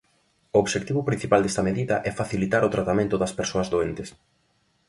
O obxectivo principal desta medida é facilitar o tratamento das persoas doentes.